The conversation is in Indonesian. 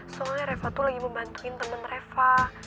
soalnya reva tuh lagi membantuin temen reva